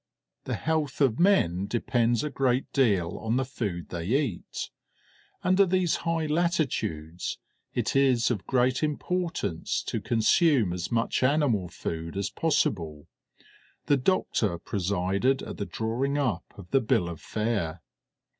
The health of men depends a great deal on the food they eat; under these high latitudes it is of great importance to consume as much animal food as possible. The doctor presided at the drawing up of the bill of fare.